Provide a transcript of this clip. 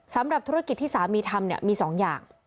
สำหรับธุรกิจที่สามีทำเนี่ยมี๒อย่าง